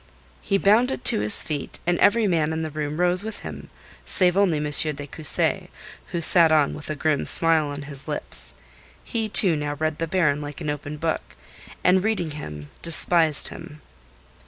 He bounded to his feet, and every man in the room rose with him save only M. de Cussy, who sat on with a grim smile on his lips. He, too, now read the Baron like an open book, and reading him despised him.